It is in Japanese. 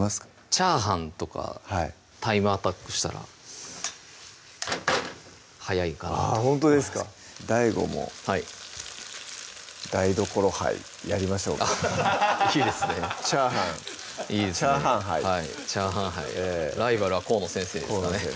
チャーハンとかタイムアタックしたら早いかなとあほんとですかＤＡＩＧＯも台所杯やりましょうかいいですねチャーハンチャーハン杯はいチャーハン杯ライバルは河野先生ですかね